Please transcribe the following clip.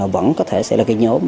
vẫn có thể sẽ là cái nhóm